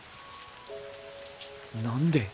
何で？